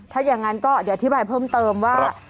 ถ้าอย่างนั้นก็เดี๋ยวอธิบายเพิ่มเติมว่า